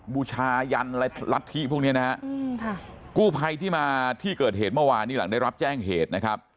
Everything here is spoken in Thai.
บูชายันรัฐธิพวกนี้นะฮะกู้ภัยที่มาที่เกิดเหตุเมื่อวานนี้หลังได้รับแจ้งเหตุนะครับ